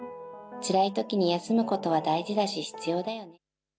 つらいときに休むことは大事だし、必要だよね。